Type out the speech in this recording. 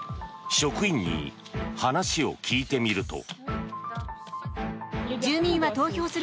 職員に話を聞いてみると。